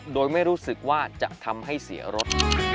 โดยไม่รู้สึกว่าจะทำให้เสียรถ